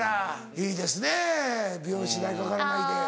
「いいですねぇ美容師代かからないで」。